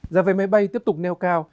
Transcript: giá về máy bay tiếp tục neo cao